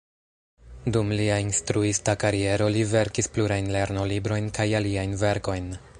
Dum lia instruista kariero li verkis plurajn lernolibrojn kaj aliajn verkojn.